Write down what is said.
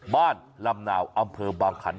บ้านลำหนาวอำเภอบางขันฯ